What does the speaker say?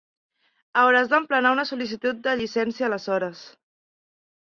Hauràs d'emplenar una sol·licitud de llicència aleshores.